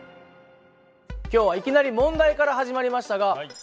今日はいきなり問題から始まりましたが藤本チーフ